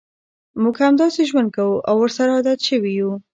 موږ همداسې ژوند کوو او ورسره عادت شوي یوو.